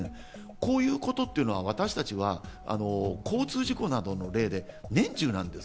こういうことというのは私たちは交通事故などで年中なんです。